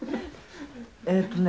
えっとね